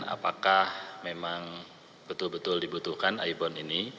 apakah memang betul betul dibutuhkan ibon ini